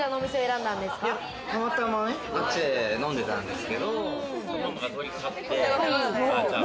たまたまこっちで飲んでたんですけれども。